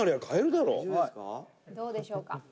どうでしょうか？